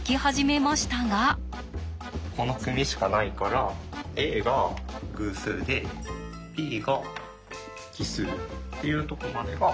この組しかないからＡが偶数でＢが奇数っていうとこまでがわかる。